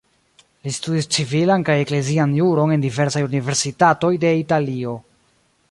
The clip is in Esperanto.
Li studis civilan kaj eklezian juron en diversaj universitatoj de Italio.